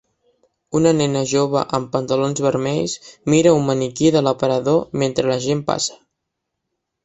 Una nena jove amb pantalons vermells mira un maniquí de l'aparador mentre la gent passa